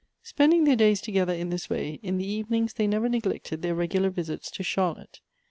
Spending their days together in this way, in the even ings they never neglected their regular visits to Charlotte.